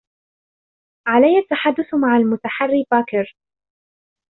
عليّ التّحدّث مع المتحرّي باكر.